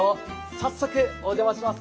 早速、お邪魔します。